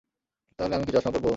তাহলে আমি কি চশমা পরবো?